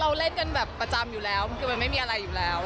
เล่นกันแบบประจำอยู่แล้วคือมันไม่มีอะไรอยู่แล้ว